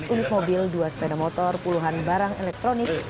empat belas unit mobil dua sepeda motor puluhan barang elektronik